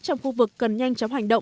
trong khu vực cần nhanh chóng hành động